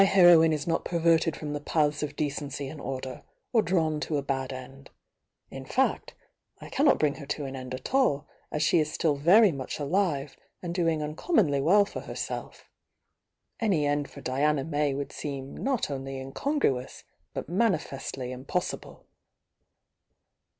°'^^""°* perverted from the paths of decency Mid order, or drawn to a bad end; in fact, 1 cannot P" ""*"""*"" 1 .^ n ..'' t bring] I end at all, as she is still very 8 THE YOUNG DIANA much alive and doing uncommonly well for her self. Any end for Diana May would seem not only mcongruous, but manifestly impossible.